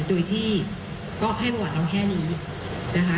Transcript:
โดยที่ก็ให้ประวัติเราแค่นี้นะคะ